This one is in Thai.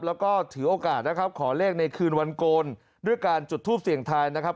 แล้วก็ถือโอกาสนะครับขอเลขในคืนวันโกนด้วยการจุดทูปเสี่ยงทายนะครับ